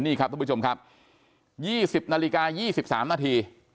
นี่ครับทุกผู้ชมครับ๒๐นาฬิกา๒๓นาที